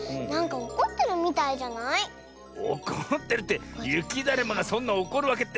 おこってるってゆきだるまがそんなおこるわけって。